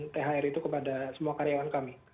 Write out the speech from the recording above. thr itu kepada semua karyawan kami